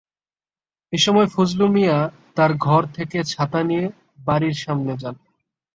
এ সময় ফজলু মিয়া তাঁর ঘর থেকে ছাতা নিয়ে বাড়ির সামনে যান।